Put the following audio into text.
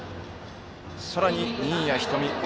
さらに、新谷仁美。